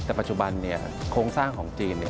แต่ปัจจุบันโครงสร้างของจีน